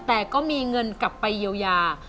แต่ก็มีเงินกลับไปเยียวยา